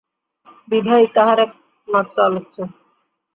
বিভাই তাঁহার একমাত্র আলোচ্য।